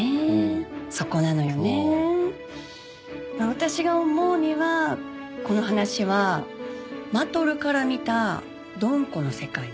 私が思うにはこの話はマトルから見たドン子の世界なの。